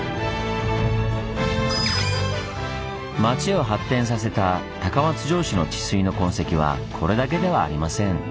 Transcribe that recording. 町を発展させた高松城主の治水の痕跡はこれだけではありません。